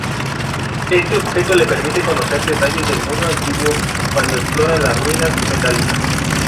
Este objeto le permite conocer detalles del mundo antiguo cuando explora las ruinas metálicas.